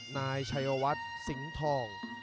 นายชัยวัดสิงห์ทอง